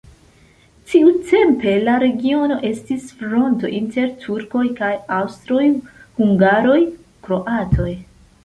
Tiutempe la regiono estis fronto inter turkoj kaj aŭstroj-hungaroj-kroatoj.